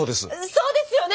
そうですよね？